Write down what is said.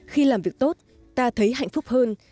khi làm việc tốt ta thấy hạnh phúc hơn